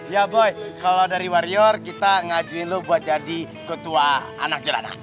ya boy kalo dari warior kita ngajuin lo buat jadi ketua anak jalanan